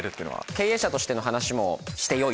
経営者としての話もしてよい。